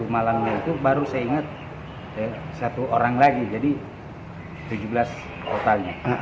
malamnya itu baru saya ingat satu orang lagi jadi tujuh belas totalnya